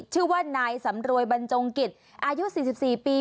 ชื่อว่านายสำรวยบรรจงกิจอายุ๔๔ปี